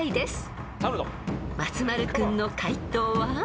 ［松丸君の解答は？］